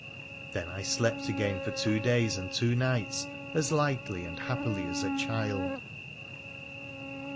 Then I slept again for two days and two nights as lightly and happily as a child.